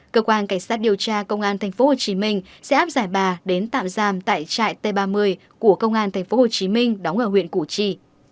cơ quan cảnh sát điều tra công an tp hcm sẽ áp giải bà đến tạm giam tại trại t ba mươi của công an tp hcm đóng ở huyện củ chi